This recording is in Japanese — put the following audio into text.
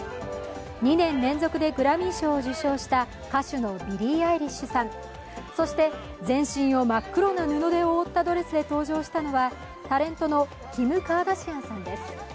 ２年連続でグラミー賞を受賞した歌手のビリー・アイリッシュさんそして全身を真っ黒な布で覆ったドレスで登場したのはタレントのキム・カーダシアンさんです。